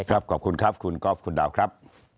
ครับขอบคุณครับคุณกล้าวคุณด่าวครับ